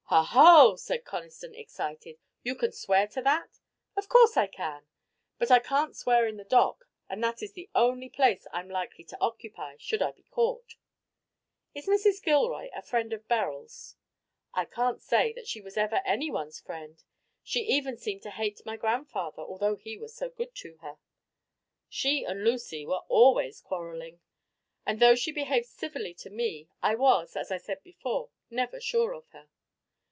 '" "Ha, ho!" said Conniston, excited, "you can swear to that." "Of course I can. But I can't swear in the dock, and that is the only place I'm likely to occupy should I be caught." "Is Mrs. Gilroy a friend of Beryl's?" "I can't say that she was ever anyone's friend. She even seemed to hate my grandfather, although he was so good to her. She and Lucy were always quarrelling, and though she behaved civilly to me, I was as I said before never sure of her."